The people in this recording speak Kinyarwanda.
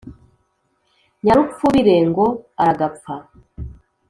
nyarupfubire ngo aragapfa